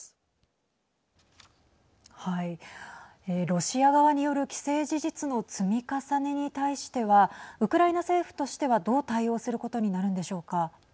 ロシア側による既成事実の積み重ねに対してはウクライナ政府としてはどう対応することになるんでしょうか。